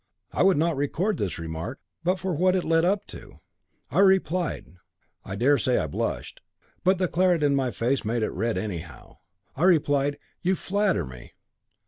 I would not record this remark but for what it led up to. I replied I dare say I blushed but the claret in my face made it red, anyhow. I replied: "You flatter me."